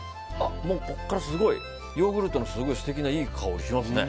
ここからすごいヨーグルトの素敵ないい香りしますね。